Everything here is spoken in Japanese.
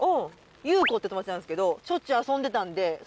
ゆうこって友達なんですけどしょっちゅう遊んでたんで。